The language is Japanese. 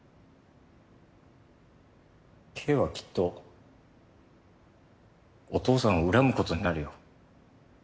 ケイはきっとお父さんを恨む事になるよ。